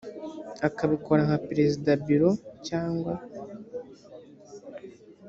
akabikora nka perezida biro cyangwa